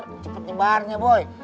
cepat nyebarnya boy